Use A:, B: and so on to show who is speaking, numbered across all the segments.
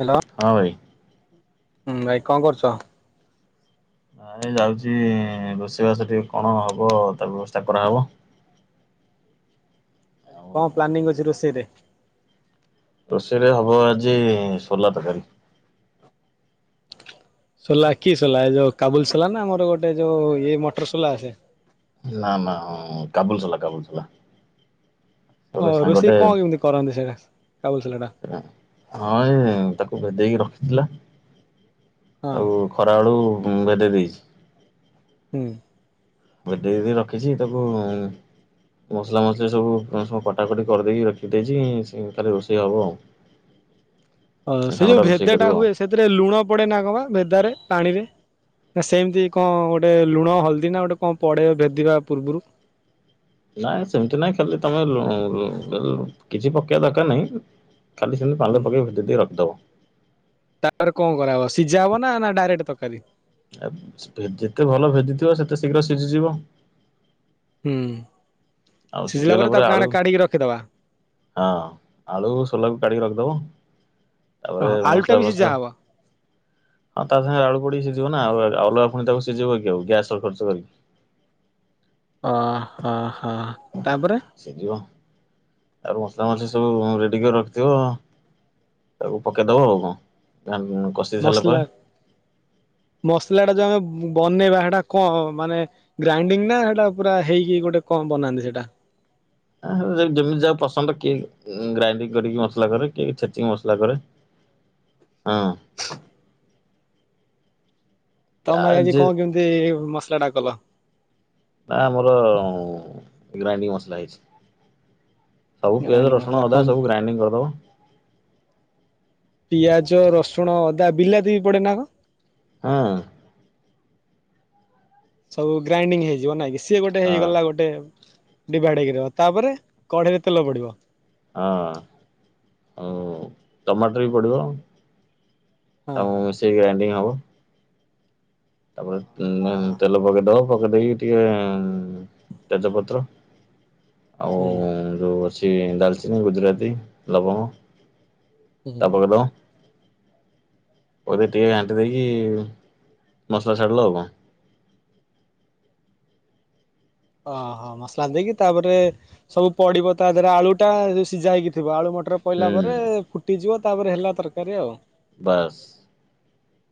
A: Hello
B: ହଁ ଭାଇ
A: ଉଁ ଭାଇ କଣ କରୁଚ?
B: ନାଇଁ ଯାଉଚି ରୋଷେଇବାସ ଟିକେ କଣ ହବ ତା ବ୍ୟବସ୍ଥା କରାହେବ। ଆଉ
A: କଣ ପ୍ଲାନିଂ ଅଛି ରୋଷେଇରେ?
B: ରୋଷେଇରେ ହବ ଆଜି ସୋଲା ତକାରି।
A: ସୋଲା କି ସୋଲା ଏ ଯୋଉ କାବୁଲି ସୋଲା ନା ଆମର ଗୋଟେ ଯୋଉ ଇଏ ମଟର ସୋଲା ଆସେ?
B: ନା ନା ଉଁ କାବୁଲି ସୋଲା କାବୁଲି ସୋଲା।
A: ଓଁ ରୋଷେଇ କଣ କେମିତି କରନ୍ତି ସେଇଟା କାବୁଲି ସୋଲାଟା।
B: ହଁ ଏଇ ତାକୁ ଭେଦେଇକି ରଖିଥିଲା
A: ହଁ
B: ଆଉ ଖରାବେଳୁ ଭେଦେଇ ଦେଇଚି।
A: ହୁଁ।
B: ଭେଦେଇକି ରଖିଛି ତାକୁ ମସଲା ମସଲି ସବୁ ସବୁ କଟାକଟି କରିଦେଇକି ରଖିଦେଇଛି ଖାଲି ରୋଷେଇ ହବ ଆଉ।
A: ଅଁ ସେ
B: ସାଙ୍ଗଟା
A: ଯୋଉ
B: ରୋଷେଇ
A: ଭେଦା
B: କରିବ
A: ଟା
B: ଆଉ।
A: ହୁଏ ସେଥିରେ ଲୁଣ ପଡେ ନା କଣ ବା ଭେଦା ରେ ପାଣିରେ। ନା ସେମିତି କଣ ଗୋଟେ ଲୁଣ ହଳଦୀ ନା ଗୋଟେ କଣ ପଡେ ବା ଭେଦିବା ପୂର୍ବରୁ।
B: ନାଇଁ ସେମିତି ନାଇଁ ଖାଲି ତମେ ଲୁ-ଲୁ-ଲୁ କିଛି ପକେଇବା ଦରକାର ନାହିଁ। ଖାଲି ସେମତି
A: ହୁଁ
B: ପାଣିରେ ପକେଇ ଭେଦେଇ ଦେଇକି ରଖିଦବ।
A: ତାପରେ କଣ କରାହବ ସିଝା ହବ ନା ଡାଇରେକ୍ଟ ତରକାରୀ?
B: ଆ ଯେତେ ଭଲ ଭେଦିଥିବ ସେତେ ଶୀଘ୍ର ସିଝିଯିବ।
A: ହୁଁ
B: ଆଉ
A: ସିଝିଲା
B: ସିଝିଗଲା
A: ପରେ ତାକୁ
B: ଆଳୁ
A: କାଣା କାଢିକି ରଖିଦବା।
B: ହଁ ଆଳୁ ସୋଲାକୁ କାଢ଼ିକି ରଖିଦେବ ତାପରେ
A: ଓହୋ ଆଳୁଟା
B: ମସଲା
A: ବି ସିଝା
B: ଫସଲା
A: ହବ।
B: ହଁ ତା ସାଙ୍ଗରେ ଆଳୁ ପଡିକି ସିଝିବ ନା ଆଉ ଅଲଗା ଫୁଣି ତାକୁ ସିଝେଇବ କି ଆଉ ଗ୍ୟାସ୍ ଖର୍ଚ କରିକି।
A: ଓ ହଁ ହଁ ତାପରେ
B: ସିଝିବ ତାପରେ ମସଲା ମସଲି ସବୁ ରେଡି କରି ରଖିଥିବ ତାକୁ ପକେଇଦବ ଆଉ କଣ [unintelligible] କଷ
A: ମସଲା ମସଲା ଟା ଯୋଉ ଆମେ ବନେଇବା ସେଟା କଣ ମାନେ ଗ୍ରାଇଣ୍ଡିଙ୍ଗ ନା ସେଇଟା ପୁରା ହେଇକି ଗୋଟେ କଣ ବନାନ୍ତି ସେଇଟା?
B: ଆଁହ ଯେମିତି ଯାହାକୁ ପସନ୍ଦ କିଏ ଗ୍ରାଇଣ୍ଡିଙ୍ଗ କରିକି ମସଲା କରେ କିଏ ଛେଚିକି ମସଲା କରେ। ହଁ।
A: ତମେ
B: ଆ
A: ଭାଇ ଆଜି
B: ଯେ
A: କଣ କେମିତି ମସଲାଟା କଲ?
B: ନା ଆମର ଗ୍ରାଇଣ୍ଡିଙ୍ଗ ମସଲା ହେଇଛି। ସବୁ ପିଆଜ,
A: ଗ୍ରାଇଣ୍ଡିଙ୍ଗ
B: ରସୁଣ,
A: ମସଲା
B: ଅଦା
A: କଣ
B: ସବୁ ଗ୍ରାଇଣ୍ଡିଙ୍ଗ କରିଦବ।
A: ପିଆଜ, ରସୁଣ, ଅଦା ବିଲାତି ବି ପଡେ ନା କଣ?
B: ହୁଁ।
A: ସବୁ ଗ୍ରାଇଣ୍ଡିଙ୍ଗ ହେଇଯିବ ନାଇଁ କି ସିଏ ଗୋଟେ
B: ହଁ
A: ହେଇଗଲା ଗୋଟେ ଡିଭାଇଡ ହେଇକି ରହିବ ତାପରେ କଢେଇରେ ତେଲ ପଡିବ?
B: ହଁ ଆଉ ଟମାଟର ବି ପଡ଼ିବ।
A: ହଁ।
B: ତାକୁ ମିସେଇକି ଗ୍ରାଇଣ୍ଡିଙ୍ଗ ହବ। ତାପରେ ଉ
A: ହଁ
B: ତେଲ ପକେଇଦବ ପକେଇ ଦେଇକି ଟିକେ ତେଜପତ୍ର ଆଉ
A: ହୁଁ
B: ଯୋଉ ଅଛି ଡାଲଚିନି, ଗୁଜୁରାତି, ଲବଙ୍ଗ
A: ହୁଁ
B: ତାକୁ ପକେଇ ଦବ। ପରେ ଟିକେ ଘାଣ୍ଟି ଦେଇକି ମସଲା ଛାଡ଼ିଲ ଆଉ କଣ।
A: ଓହୋ ମସଲା ଦେଇକି ତାପରେ ସବୁ ପଡ଼ିବ ତା ଦେହରେ ଆଳୁଟା ଯୋଉ ସିଝା ହେଇକି ଥିବ ଆଳୁ ମଟର ପଇଲା
B: ହୁଁ
A: ପରେ ଫୁଟିଯିବ ତାପରେ ହେଲା ତରକାରୀ ଆଉ।
B: ବାସ୍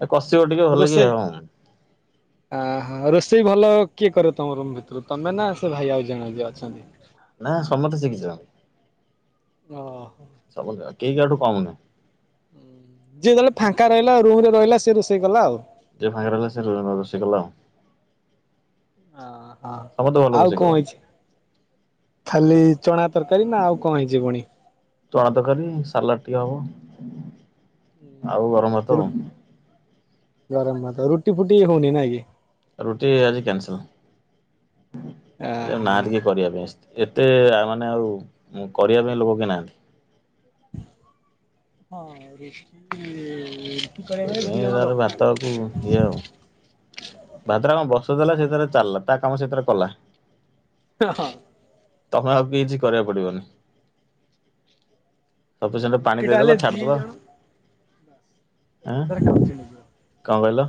B: ଏ କଷିବ ଟିକେ ଭଲ କି ହଁ।
A: ଅ ହ ରୋଷେଇ ଭଲ କିଏ କରେ ତମ ରୁମ ଭିତରୁ ତମେ ନା ସେ ଭାଇ ଆଉ ଜଣ ଯୋ ଅଛନ୍ତି?
B: ନା ସମସ୍ତେ ଶିଖିଛନ୍ତି।
A: ଓହ।
B: ସବୁ ଜଣା କିଏ କାଠୁ କମ୍ ନାହିଁ।
A: ଯିଏ ଯେତେବେଳେ ଫାଙ୍କା ରହିଲା ରୁମ ରେ ରହିଲା ସେ ରୋଷେଇ କଲା ଆଉ।
B: ଯିଏ ଫାଙ୍କା ରହିଲା ସେ [unintelligible] ରୋସେଇଲ କଲା ଆଉ।
A: ହ ହଁ
B: ସମସ୍ତେ ଭଲ
A: ଆଉ
B: ରୋଷେଇ
A: କଣ
B: କରନ୍ତି।
A: ହୋଇଛି? ଖାଲି ଚଣା ତରକାରୀ ନା ଆଉ କଣ ହେଇଛି ପୁଣି?
B: ଚଣା ତରକାରୀ ସାଲାଡ ଟିକେ ହବ ଆଉ ଗରମ ଭାତ
A: ସେ ରୁ
B: ଆଉ।
A: ଗରମ ଭାତ ରୁଟି ଫୁଟି ହଉନି ନାହିଁକି?
B: ରୁଟି ଆଜି କ୍ୟାନସଲ ଆରେ ନା
A: ଆହା।
B: ଟିକେ କରିବା ପାଇଁ ଏତେ ଆ ମାନେ ଆଉ କରିବା ପାଇଁ ଲୋକ କିଏ ନାହାନ୍ତି।
A: ହଁ। [unintelligible] ଦି
B: ସେଇଥିପାଇଁ
A: ଜଣ
B: ତାର
A: ଦରକାର।
B: ଭାତକୁ ଇଏ ଆଉ। ଭାତ୍ର କଣ ବସେଇ ଦେଲା ସେଥିରେ ଚାଲିଲା ତା କାମ ସେଥିରେ କଲା।
A: ହଁ ହଁ।
B: ତମେ ଆଉ କିଛି କରିବାକୁ ପଡିବନି। ସଫିସଣ୍ଟ
A: ରୁଟି
B: ପାଣି
A: ଟା ହେଲେ
B: ଦେଇଦେଲ
A: ଦି
B: ଛାଡିଦବା।
A: ଜଣ
B: ଆଁ
A: ଏକାଥରେ ଖାଉଛନ୍ତି।
B: କଣ କହିଲ?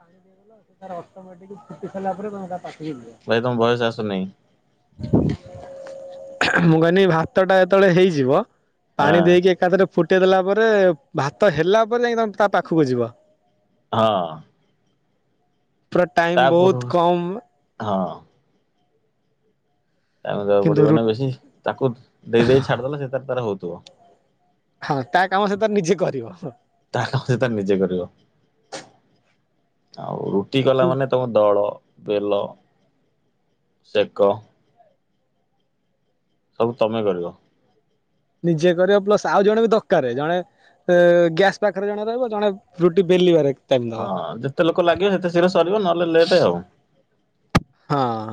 A: ପାଣି ଦେଇଦେଲ ସେ ତାର ଅଟୋମେଟିକ ଫୁଟି ସାରିଲା ପରେ ତେମେ ତା ପାଖକୁ ଯିବ।
B: ଭାଇ ତମ ଭୟସ ଆସୁନି।
A: ମୁଁ କହିଲି ଭାତ ଟା ଯେତେବେଳେ ହେଇଯିବ।
B: ହଁ
A: ପାଣି ଦେଇକି ଏକାଥରେ ଫୁଟେଇ ଦେଲା ପରେ ଭାତ ହେଲା ପରେ ଯାଇ ତମେ ତା ପାଖକୁ ଯିବ।
B: ହଁ।
A: ପୁରା
B: ତା
A: ଟାଇମ
B: ପୂର୍ବରୁ
A: ବହୁତ କମ୍।
B: ହଁ। ଟାଇମି ଦବାକୁ
A: କିନ୍ତୁ
B: ପଡିବ
A: ରୁ
B: ନା ବେଶୀ ତାକୁ ଦେଇ ଦେଇ ଛାଡିଦଲେ ସେ ତ ତାର ହଉଥିବ।
A: ହଁ ତା କାମ ସେ ତାର ନିଜେ କରିବ।
B: ତା କାମ ସେ ତ ନିଜେ କରିବ ଆଉ। ସେ ତି ଗଲା ମାନେ ତମ ଦଳ ବେଲ ସେକ। ସବୁ ତମେ କରିବ।
A: ନିଜେ କରିବ ପ୍ଲସ ଆଉ ଜଣେ ବି ଦରକାର ଜଣେ। ସେ ଗ୍ୟାସ୍ ପାଖରେ ଜଣେ ରହିବ ଜଣେ ରୁଟି ବେଲିବାରେ। ଟାଇମ ଦବ।
B: ହଁ ଯେତେ ଲୋକ ଲାଗିବେ ସେତେ ଶୀଘ୍ର ସରିବ ନହେଲେ ଲେଟେ ଆଉ।
A: ହଁ।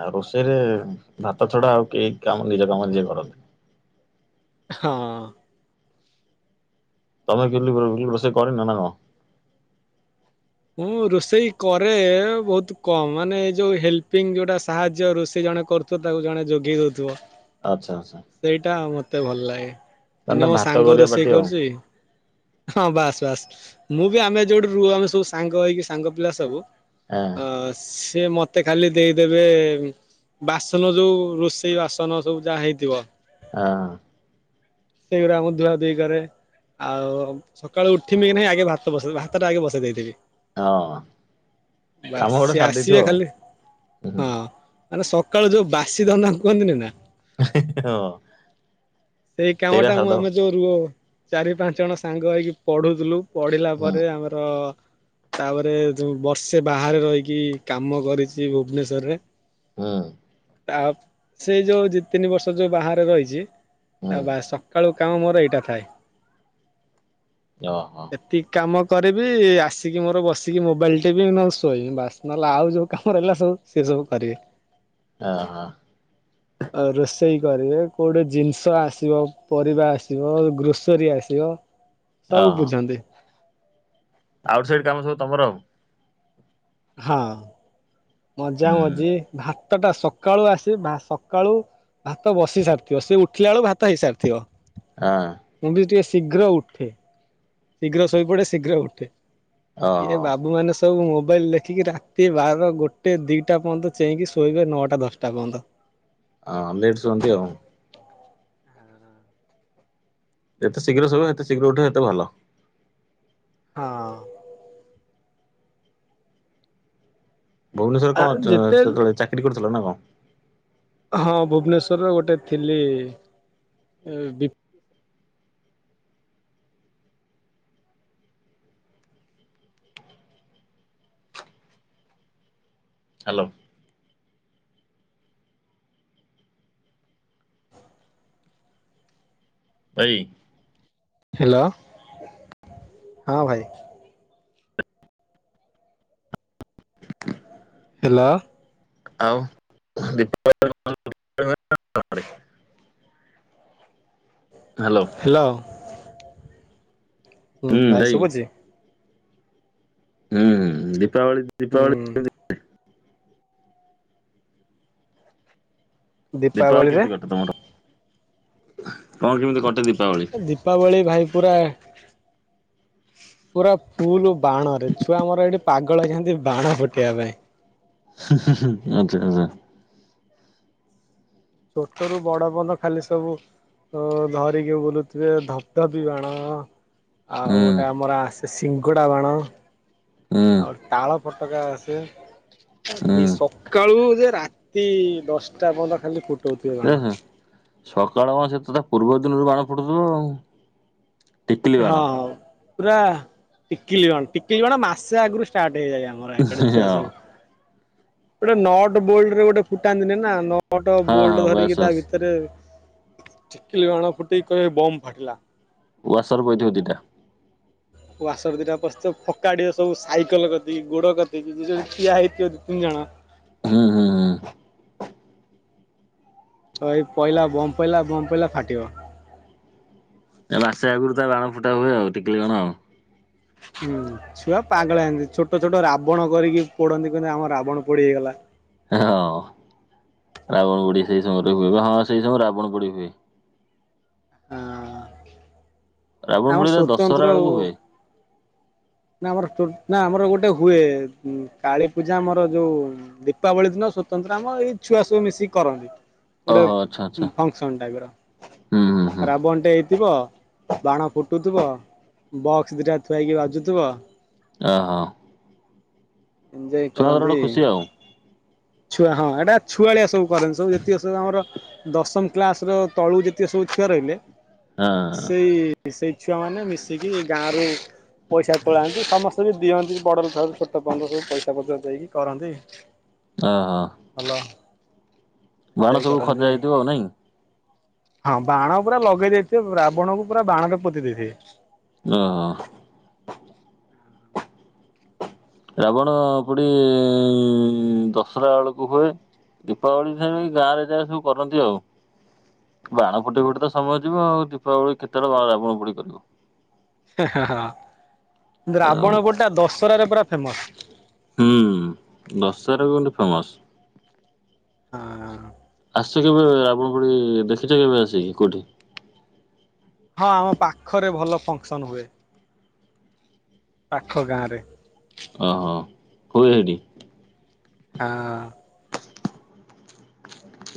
B: ଆଉ ରୋଷେଇରେ ଭାତ ଛଡା ଆଉ କେହି କାମ ନିଜ କାମ ନିଜେ କରନ୍ତି।
A: ହଁ।
B: ତମେ କିିଲି ରୋଷେଇ କରନ ନା କଣ।
A: ମୁଁ ରୋଷେଇ କରେ ବହୁତ କମ ମାନେ ଏ ଯୋଉ ହେଲ୍ପିଙ୍ଗ ଯୋଉଟା ସାହାଯ୍ୟ ରୋଷେଇ ଜଣେ କରୁ। ତ ତାକୁ ଜଣେ ଯୋଗେଇ ଦଉଥିବ।
B: ଆଚ୍ଛା ଆଚ୍ଛା।
A: ସେଇଟା ମତେ ଭଲ ଲାଗେ
B: ତା
A: ମାନେ
B: ନା
A: ମୋ
B: ଭାତ
A: ସାଙ୍ଗ
B: କରିବା
A: ରୋଷେଇ
B: ପାଟି ଆଉ
A: କରୁଛି। ହଁ ବାସ୍ ବାସ୍ ମୁଁ ବି ଆମେ ଯୋଉଠୁ ରୁହୁ ଆମେ ସବୁ ସାଙ୍ଗ ହେଇକି ସାଙ୍ଗ ପିଲା ସବୁ।
B: ଅ।
A: ସେ ଏ ମତେ ଖାଲି ଦେଇଦେବେ। ବାସନ ଯୋଉ ରୋଷେଇ ବାସନ ସବୁ ଯାହା ହେଇଥିବ।
B: ଅ।
A: ସେଗୁଡା ମୁଁ ଧୁଆ ଧୁଇ କରେ। ଆଉ ସକାଳୁ ଉଠି ମି କି ନାହିଁ ଆଗେ ଭାତ ବସେଇ ଭାତଟା ଆଗେ ବସେଇ ଦେଇଥିବି।
B: ହଁ।
A: ବାସ
B: କାମ ଗୋଟେ
A: ସିଏ
B: ସାରି ଦେଇଥିବ
A: ଆସିବେ
B: ଆଉ
A: ଖାଲି ହଁ ମାନେ ସକାଳୁ ଯୋଉ ବାସି ଧନ୍ଦା କୁହନ୍ତିନି ନା
B: ହଁ।
A: ସେଇ କାମ
B: ସେଇଟା
A: ଟା ମୁଁ
B: ସାରିଦବ
A: ଆମେ ଯୋଉ ରୁ ଚାରି, ପାଞ୍ଚ ଜଣ ସାଙ୍ଗ ହେଇକି ପଢୁଥୁଲୁ ପଢ଼ିଲା
B: ହୁଁ
A: ପରେ ଆମର ତାପରେ ଯୋଉଁ ବର୍ଷେ ବାହାରେ ରହିକି କାମ କରିଛି ଭୁବନେଶ୍ୱର ରେ।
B: ହଁ।
A: ତା ସେଇ ଯୋଉ ଦି, ତିନି ବର୍ଷ ଯୋଉ ବାହାରେ ରହିଛି ଆ
B: ହୁଁ
A: ବା ସକାଳୁ କାମ ମୋର ଏଇ ଟା ଥାଏ।
B: ଓ ହୋ।
A: ଏତିକି କାମ କରିବି ଆସିକି ମୋର ବସିକି ମୋବାଇଲ ଟିପି ବି ନହେଲେ ଶୋଇବି ବାସ୍ ନହେଲେ ଆଉ ଯେଉଁ କାମ ରହିଲ ସବୁ ସେ ସବୁ ପାରିବେ।
B: ଅ ହଁ।
A: ଆଉ ରୋଷେଇ କରିବେ କୋଉ ଠି ଜିନିଷ ଛୁଆ ଆସିବ, ପରିବା ଆସିବ, ଗ୍ରୋସରୀ ଆସିବ ସବୁ ବୁଝନ୍ତି।
B: ଆଉଟ୍ ସାଇଡ କାମ ସବୁ ତମର ଆଉ।
A: ହଁ ମଜା
B: ହୁଁ
A: ମଜି ଭାତ ଟା ସକାଳୁ ଆସି ସକାଳୁ ଭାତ ବସି ସାରିଥିବ ସେ ଉଠିଲା ବେଳକୁ ଭାତ ହେଇସାରିଥିବ।
B: ଆଁ।
A: ମୁଁ ବି ଟିକେ ଶୀଘ୍ର ଉଠେ ଶୀଘ୍ର ଶୋଇପଡେ ଶୀଘ୍ର ଉଠେ। ଇ
B: ଓହୋ
A: ବାବୁ ମାନେ ସବୁ ମୋବାଇଲି ଠିକି ରାତି ବାରଟା ଗୋଟେ ଦୁଇଟା ପର୍ଯ୍ୟନ୍ତ ଚେଇକି ଶୋଇବେ ନଅଟା ଦଶଟା ପର୍ଯ୍ୟନ୍ତ।
B: ହଁ ଲେଟ୍ ଶୁଅନ୍ତି ଆଉ। ଏତେ ଶୀଘ୍ର ଶୋଇବ ଏତେ ଶୀଘ୍ର ଉଠିବ ଏତେ ଭଲ।
A: ହଁ।
B: ଭୁବନେଶ୍ୱର
A: ଆ
B: କଣ
A: ଯେତେ
B: ସେତେବେଳେ ଚାକିରି କରୁଥିଲ ନା କଣ?
A: ହଁ ଭୁବନେଶ୍ୱର ରେ ଗୋଟେ ଥିଲି ବି
B: ହ୍ୟାଲୋ। ଭାଇ
A: ହ୍ୟାଲୋ ହଁ ଭାଇ। ହ୍ୟାଲୋ।
B: ଆଉ [unintelligible] ଦୀପାବଳି ହ୍ୟାଲୋ।
A: ହ୍ୟାଲୋ ଭାଇ ଶୁଭୁଛି?
B: ହୁଁ ଦୀପାବଳି ଦୀପାବଳି
A: ହୁଁ
B: ଦୀପାବଳି
A: ଦୀପାବଳିରେ
B: କେମିତି କଟେ ତମର କଣ କେମିତି କଟେ ଦୀପାବଳି?
A: ଦୀପାବଳି ଭାଇପୁରା ପୁରା ଫୁଲ ଓ ବାଣ ରେ ଛୁଆ ମୋର ଏଠି ପାଗଳହେଇଯାନ୍ତି ବାଣ ଫୁଟେଇବା ପାଇଁ।
B: [unintelligible] ଆଚ୍ଛା ଆଚ୍ଛା।
A: ଛୋଟରୁୁ ବଡ ପଯନ୍ତ ଖାଲି ସବୁ ତ ଧରିକି ବୁଲୁଥିବେ ଧବଧ ବି ଵାଣ। ଆଉ
B: ହୁଁ
A: ଗୋଟେ ଆମର ଆସେ ସିଙ୍ଗଡା ବାଣ
B: ହୁଁ ହୁଁ
A: ଆଉ ତାଳ ଫଟ ଟକା ଆସେ। ସକାଳୁ ଯେ ରାତି ଦଶଟା ପର୍ଯ୍ୟନ୍ତ ଖାଲି ଫୁଟଉଥିବେ
B: ଏ
A: ଵାଣ।
B: ହେ ସକାଳ କ ସେତ ତା ପୂର୍ବ ଦିନରୁ ବାଣ ଫୁଟୁଥିବ ଆଉ। ଟିକିଲି ବାଣ
A: ହଁ ହଁ ପୁରା ଟିକିଲି କଣ ଟିକିଲି କଣ ମାସେ ଆଗରୁ ଷ୍ଟାର୍ଟ ହେଇଯାଏଣି। ମରଡେ
B: ହଁ ହଁ
A: ଛୁଆ ଗୋଟେ ନଟ ବୋଲଡରେ ଗୋଟେ ଫୁଟାନ୍ତିନି ନା ଛୋଟ
B: ହଁ
A: ବୋଲ୍ଟ
B: ବାସ୍
A: ଧରିକି ତା
B: ବାସ୍
A: ଭିତରେ ଚିଲ ଅଣ ଫୁଟ କ ବମ୍ ଫାଟିଲା।
B: ୱାସର ପଥିବ ଦିଟା।
A: ୱାସର ଦୁଇଟା ପସିଥିବ ଫକାଡ଼ିଆ ସବୁ ସାଇକେଲ ଗତି ଗୋଡ଼ କତିକି ଯେ ଠିଆ ହୋଇଥିବ ଦି ତିନି ଜଣ।
B: ହୁଁ ହୁଁ ହୁଁ।
A: ତ ଏଇ ପଇଲା ବମ୍ପ ପାଇଲା ବମ୍ପ ପଇଲା ଫାଟିବ।
B: ଏ ମାସେ ଆଗରୁ ତା ବାଣ ଫୁଟା ହୁଏ ଆଉ ଟିକିଲି ଵାଣ।
A: ହୁଁ ଛୁଆ ପାଗଳ ହନ୍ତି ଛୋଟ ଛୋଟ ରାବଣ କରିକି ପୋଡନ୍ତି କହନ୍ତି, ଆମ ରାବଣ ପୋଡି ହେଇଗଲା।
B: ହଁ ରାବଣ ପୋଡି ସେଇ ସମୟରେ ହୁଏ, ହଁ ସେଇ ସମୟରେ ରାବଣ ପୋଡି ହୁଏ।
A: ଆଁ।
B: ରାବଣ ପୋଡିରେ ଦଶହରା ବେଳକୁ ହୁଏ।
A: ନା ଆମର ତୁ ନା ଆମର ଗୋଟେ ହୁଏ କାଳୀ ପୂଜା ଆମର ଯୋଉ ଦୀପାବଳୀ ଦିନ ସ୍ୱତନ୍ତ୍ର ଆମ ଏଇ ଛୁଆ ସବୁ ମିଶିକି କରନ୍ତି। ଗୋଟେ
B: ଓହୋ ଆଚ୍ଛା ଆଚ୍ଛା
A: ଫଙ୍କସନ୍ ଟାଇପି
B: ହୁଁ ହୁଁ ହୁଁ
A: ର ରାବଣଟେ ହେଇଥିବ। ବାଣ ଫୁଟୁଥିବ, ବକ୍ସ ଦିଟା ଥୁଆହେଇକି ବାଜୁଥିବ।
B: ଆ ହଁ।
A: ଏଞ୍ଜୟ
B: ଗୋଟେ
A: କରନ୍ତି।
B: ଖୁସି ଆଉ
A: ଛୁଆ ହଁ ଏଇଟା ଛୁଆଳିଆ ସବୁ କରନ୍ତି ସବୁ ଯେତିକି ସବୁ ଆମର ଦଶମ କ୍ଲାସ୍ ର ତଳକୁ ଯେତିକି ସବୁ ଛୁଆ ସବୁ ରହିଲେ,
B: ହଁ
A: ସେଇ ମିଶି ସେଇ ଛୁଆ ମାନେ ମିଶିକି ଗାଁ ରୁ ପଇସା ତୋଳାନ୍ତି ସମସ୍ତେ ବି ଦିଅନ୍ତି ବଡ଼ରୁ ଛ ଛୋଟ ପଯ୍ୟନ୍ତ ସବୁ ପଇସା ପତ୍ର ଦେଇକି କରନ୍ତି।
B: ଅ ହଁ।
A: ଭଲ ଏଞ୍ଜୟ
B: ସବୁ ଖଞ୍ଜା
A: କରନ୍ତି।
B: ହେଇଥିବ ଆଉ ନାଇଁ।
A: ହଁ ବାଣ ପୁରା ଲଗେଇ ଦେଇଥିବେ, ରାବଣକୁ ପୁରା ବାଣରେ ପୁରା ପୋତି ଦେଇଥିବେ।
B: ଓ [unintelligible] ରାବଣ ପୋଡ଼ି ଇଁ ଦଶହରା ବେଳକୁ ହୁଏ। ଦୀପାବଳି ରେ ଗାଁରେ ଯା ସବୁ କରନ୍ତି ଆଉ। ବାଣ ଫୁଟେଇ ଫୁଟେଇ ତ ସମୟ ଯିବ ଆଉ ଦୀପାବଳି କେତେବେଳେ ରାବଣ ପୋଡ଼ି କରିବ।
A: ହେ ହେ ହଁ
B: ଆଉ
A: ରାବଣ ପୋଡ଼ି ଟା ଦଶହରାରେ ପୁରା ଫେମସ୍।
B: ହୁଁ ଦଶହରା କିନ୍ତୁ ଫେମସ୍।
A: ଆଁ।
B: ଆସ କେବେ ରାବଣ ପୋଡ଼ି ଦେଖିଛ କେବେ ଆସିକି କୋଉଠି?
A: ହଁ ଆମ ପାଖରେ ଭଲ ଫଙ୍କସନ ହୁଏ, ପାଖ ଗାଁ ରେ।
B: ଅ ହଁ [unintelligible] ହୁଏ ସେଠି।
A: ଆ ହ।